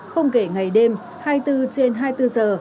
không kể ngày đêm hai mươi bốn trên hai mươi bốn giờ